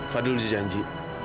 fadil udah janji